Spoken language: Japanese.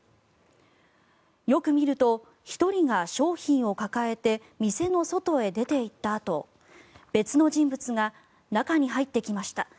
よく見ると、１人が商品を抱えて店の外へ出て行ったあと別の人物が中に入ってきました。